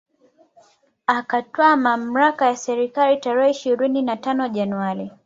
Akatwaa mamlaka ya serikali tarehe ishirini na tano Januari